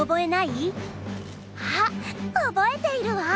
あっ覚えているわ。